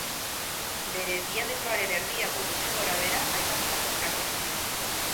Bere diametroaren erdia du gutxi gorabehera aipatutako kraterrak.